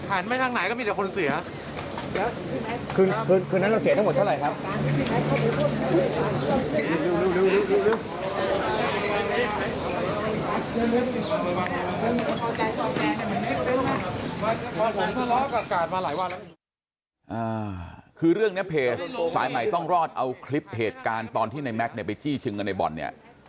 คือเรื่องนี้เพจสายใหม่ต้องรอดเอาคลิปเหตุการณ์ตอนที่ในแม็กซ์เนี่ยไปจี้ชิงเงินในบ่อนเนี่ย